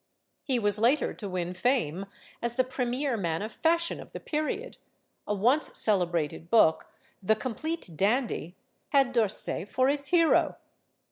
He was later to win fame as the premier man of fashion of the period. A once celebrated book, "The Complete Dandy," had d'Orsay for its hero.